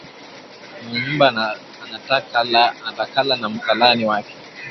Mwenye nyumba anakatala na msalani wake